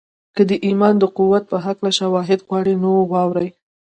که د ایمان د قوت په هکله شواهد غواړئ نو واورئ